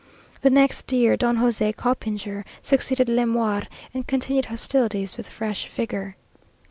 The next year, Don José Copinger succeeded Lemaur, and continued hostilities with fresh vigour.